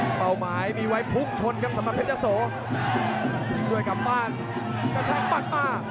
เป้าหมายมีไหวพุกชนกับสถาปันเพชรเจ้าโสถอยกลับบ้างกระแทงผ่านมา